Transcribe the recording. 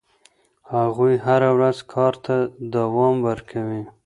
هغوی هره ورځ کار ته دوام ورکوي.